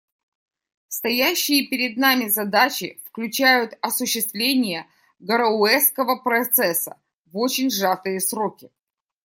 Стоящие перед нами задачи включают осуществление «Гароуэсского процесса» в очень сжатые сроки.